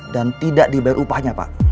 dan tidak dibayar upahnya pak